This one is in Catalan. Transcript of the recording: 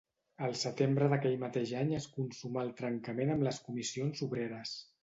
El setembre d'aquell mateix any es consumà el trencament amb les Comissions Obreres.